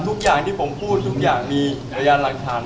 ทุกอย่างที่ผมพูดทุกอย่างมีพยานหลักฐาน